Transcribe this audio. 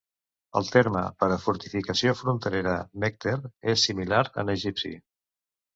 El terme per a fortificació fronterera, "mekter", és similar en egipci.